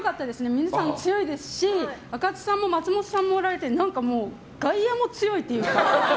皆さん強いですしあかつさんも松本さんもおられて外野も強いっていうか。